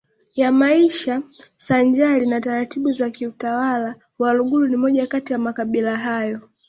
ya maisha sanjari na taratibu za kiutawala Waluguru ni moja kati ya Makabila hayo